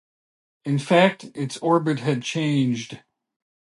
In fact, its orbit had changed.